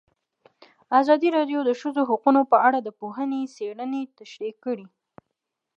ازادي راډیو د د ښځو حقونه په اړه د پوهانو څېړنې تشریح کړې.